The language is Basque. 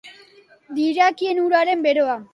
Dirakien uraren beroa.